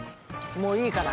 もういいから。